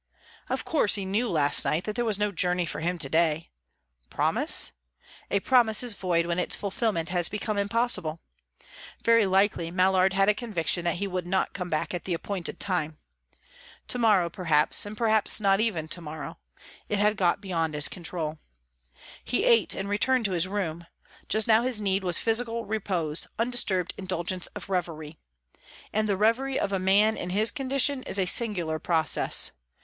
Of course, he knew last night that there was no journey for him to day. Promise? A promise is void when its fulfilment has become impossible. Very likely Mallard had a conviction that he would not come back at the appointed time. To morrow, perhaps; and perhaps not even to morrow. It had got beyond his control. He ate, and returned to his room. Just now his need was physical repose, undisturbed indulgence of reverie. And the reverie of a man in his condition is a singular process.